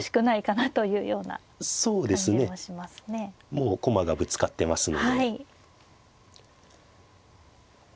もう駒がぶつかってますので。